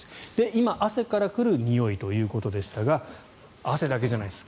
今、汗から来るにおいということでしたが汗だけじゃないです